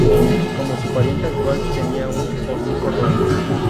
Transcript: Como su pariente actual, tenía un hocico romo.